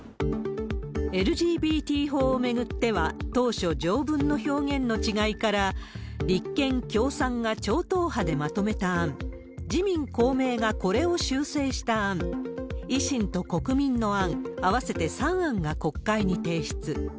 ＬＧＢＴ法を巡っては当初、条文の表現の違いから、立憲、共産が超党派でまとめた案、自民、公明がこれを修正した案、維新と国民の案、合わせて３案が国会に提出。